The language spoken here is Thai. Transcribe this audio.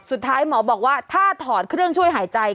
สุดท้ายหมอบอกว่าถ้าถอดเครื่องช่วยหายใจ